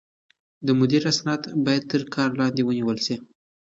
د مدير اسناد بايد تر کار لاندې ونيول شي.